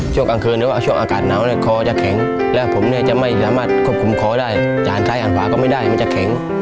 ช่วงกลางคืนหรือว่าช่วงอากาศหนาวเนี่ยคอจะแข็งและผมเนี่ยจะไม่สามารถควบคุมคอได้จานซ้ายอ่านขวาก็ไม่ได้มันจะแข็ง